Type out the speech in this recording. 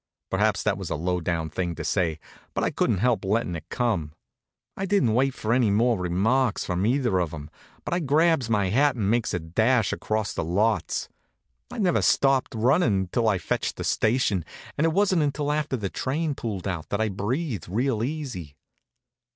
Perhaps that was a low down thing to say, but I couldn't help lettin' it come. I didn't wait for any more remarks from either of 'em, but I grabs my hat and makes a dash across lots. I never stopped runnin' until I fetched the station, and it wasn't until after the train pulled out that I breathed real easy.